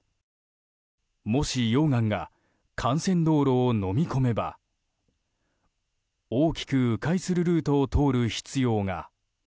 もし溶岩が幹線道路をのみ込めば大きく迂回するルートを通る必要が。